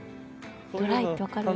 ドライって分かる？